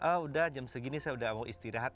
ah udah jam segini saya udah mau istirahat